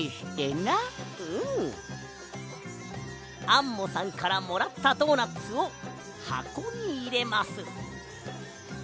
アンモさんからもらったドーナツをはこにいれます。